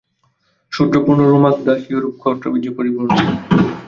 শূদ্রপূর্ণ রোমকদাস ইউরোপ ক্ষত্রবীর্যে পরিপূর্ণ।